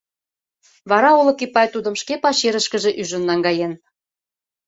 Вара Олык Ипай тудым шке пачерышкыже ӱжын наҥгаен.